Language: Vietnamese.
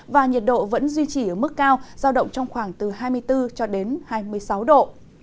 và nhiệt độ vẫn duy trì ở mức cao giao động trong khoảng từ hai mươi bốn cho đến hai mươi sáu độ